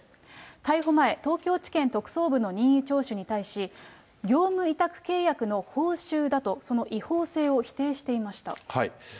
逮捕前、東京地検特捜部の任意聴取に対し、業務委託契約の報酬だと、その違法性を否定していました。